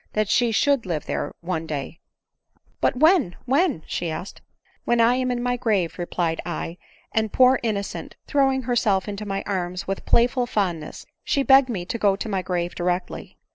that she should live there one day. " But when — when ?" she asked. " When I am in my grave," replied I ; and, poor in nocent! throwing herself into my arms with playful fondness, she begged me to go to my grave directly.